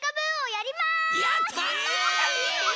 やった！